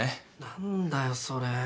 何だよそれ。